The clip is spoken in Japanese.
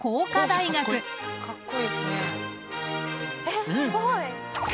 えっすごい。